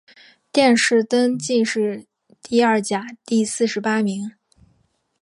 殿试登进士第二甲第四十八名。